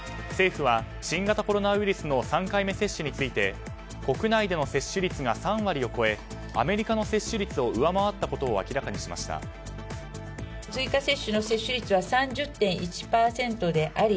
政府は新型コロナウイルスの３回目接種について国内での接種率が３割を超えアメリカの接種率を上回ったことを明らかにしました。